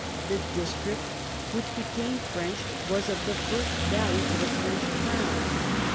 The district which became French was of the first value to the French crown.